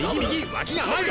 脇が甘い！